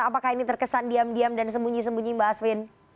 apakah ini terkesan diam diam dan sembunyi sembunyi mbak asvin